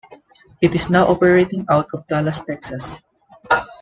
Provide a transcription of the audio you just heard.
It is now operating out of Dallas, Texas.